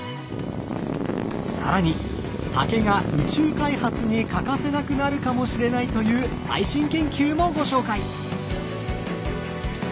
更に竹が宇宙開発に欠かせなくなるかもしれないという最新研究もご紹介！